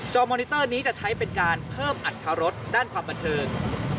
มอนิเตอร์นี้จะใช้เป็นการเพิ่มอัตรรสด้านความบันเทิง